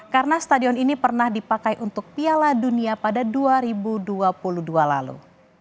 karena stadion ini pernah dipakai untuk piala dunia pada dua ribu dua puluh dua lalu